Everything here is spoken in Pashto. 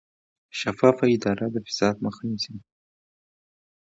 شفافه اداره د فساد مخه نیسي